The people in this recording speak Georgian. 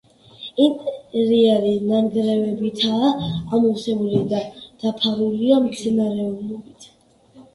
ინტერიერი ნანგრევებითაა ამოვსებული და დაფარულია მცენარეულობით.